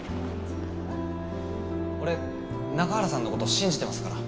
俺中原さんのこと信じてますから。